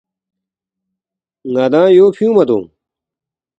ن٘دانگ یو فیُونگما دونگ